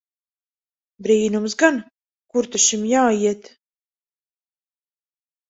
Brīnums gan! Kur ta šim jāiet!